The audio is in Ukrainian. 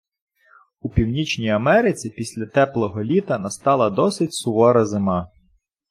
У Північній Америці після теплого літа настала досить сувора зима.